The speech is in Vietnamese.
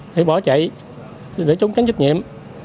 để bỏ chạy để trúng cánh trách nhiệm